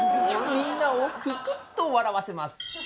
みんなをククッと笑わせます。